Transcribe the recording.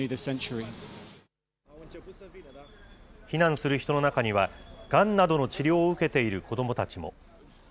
避難する人の中には、がんなどの治療を受けている子どもたちも。